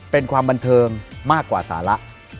เป็นความบันเทิงมากกว่าสาระ